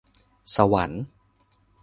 สวรรค์